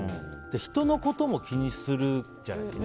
人のことも気にするじゃないですか。